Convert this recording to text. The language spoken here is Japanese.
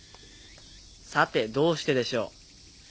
さてどうしてでしょう？